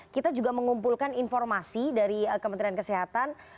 kita juga mengumpulkan informasi dari kementerian kesehatan